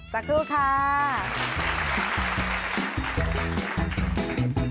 สักครู่ค่ะ